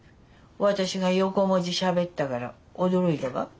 私が横文字しゃべったから驚いたか。